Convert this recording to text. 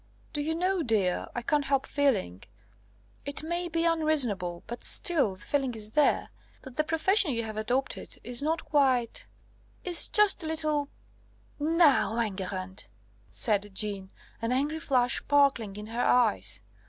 Do you know, dear, I can't help feeling it may be unreasonable, but still the feeling is there that the profession you have adopted is not quite is just a little " "Now, Enguerrand!" said Jeanne, an angry flash sparkling in her eyes.